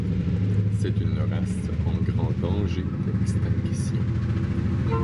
C'est une race en grand danger d'extinction.